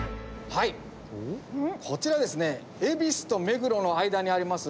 はいこちらですね恵比寿と目黒の間にあります